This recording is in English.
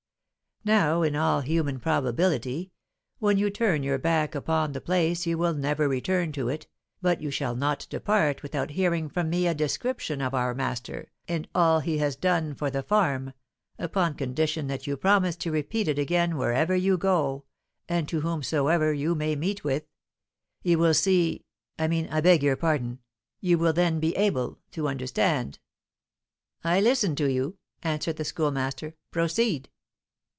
Now, in all human probability, when you turn your back upon the place you will never return to it, but you shall not depart without hearing from me a description of our master and all he has done for the farm, upon condition that you promise to repeat it again wherever you go, and to whomsoever you may meet with. You will see, I mean, I beg pardon, you will then be able to understand." "I listen to you," answered the Schoolmaster; "proceed."